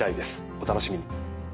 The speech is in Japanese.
お楽しみに。